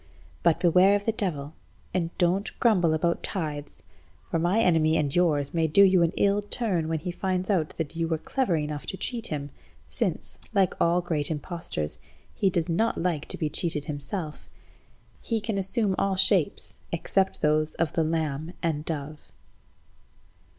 But beware of the devil, and don't grumble about tithes, for my enemy and yours may do you an ill–turn when he finds out you were clever enough to cheat even him, since, like all great impostors, he does not like to be cheated himself. He can assume all shapes, except those of the lamb and dove."